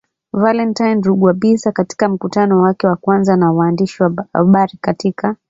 Valentine Rugwabiza katika mkutano wake wa kwanza na waandishi wa habari katika